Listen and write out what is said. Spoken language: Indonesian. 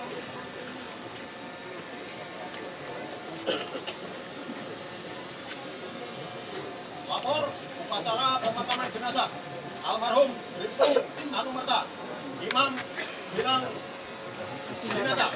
lapor upacara pemakanan jenazah almarhum rizki alumerta imam gilang adinata